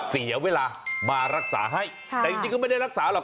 เสียเวลามารักษาให้แต่จริงก็ไม่ได้รักษาหรอก